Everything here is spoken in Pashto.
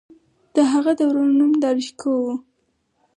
د هغه د ورور نوم داراشکوه و.